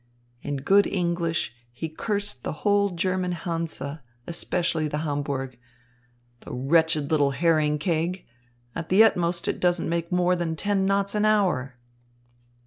In good English he cursed the whole German Hansa, especially the Hamburg. "The wretched little herring keg! At the utmost it doesn't make more than ten knots an hour."